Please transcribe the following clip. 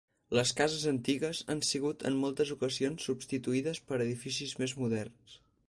Les cases antigues han sigut en moltes ocasions substituïdes per edificis més moderns.